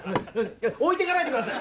いや置いてかないでください！